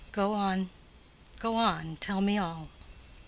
"Go on, go on: tell me all."